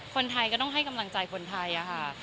คนไทยก็ต้องให้กำลังใจคนไทยค่ะ